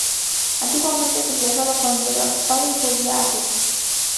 Antiguamente se hacía solo con hielo raspado y judía "azuki".